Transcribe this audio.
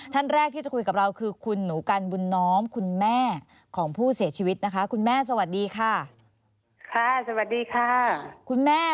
ท่านแรกที่จะคุยกับเราคือคุณหนูกัลบุญน้อมคุณแม่ของผู้เสียชีวิตนะคะคุณแม่สวัสดีค่ะ